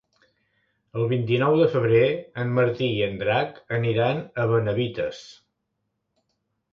El vint-i-nou de febrer en Martí i en Drac aniran a Benavites.